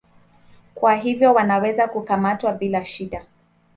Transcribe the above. Kwa hivyo wanaweza kukamatwa bila shida.